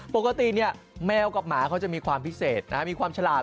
ปกติเนี่ยแมวกับหมาเขาจะมีความพิเศษมีความฉลาด